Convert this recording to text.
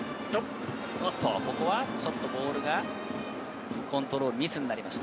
ここはちょっとボールが、コントロールミスになりました。